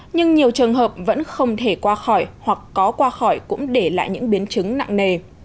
nhưng nhiều trường hợp vẫn không thể qua khỏi hoặc có qua khỏi cũng để lại những biến chứng nặng nề